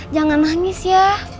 jangan nangis ya